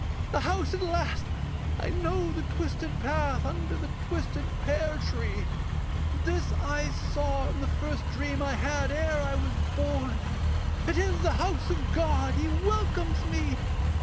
The house at last: I know the twisted path Under the twisted pear tree: this I saw In the first dream I had ere I was born. It is the house of God. He welcomes me.